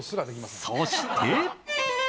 そして。